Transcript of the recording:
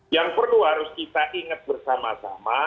yang perlu harus kita ingat bersama sama